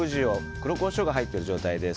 黒コショウが入っている状態です。